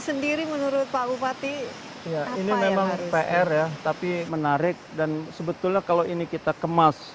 sendiri menurut pak bupati ini memang pr ya tapi menarik dan sebetulnya kalau ini kita kemas